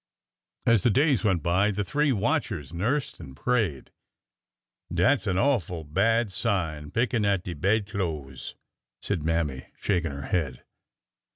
As the days went by, the three watchers nursed and prayed. " Dat 's a awful bad sign— pickin' at de bed clo'es," said Mammy, shaking her head.